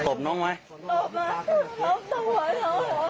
ผมพร้อมสอบนองไว้สอบละสอบสอบสอบ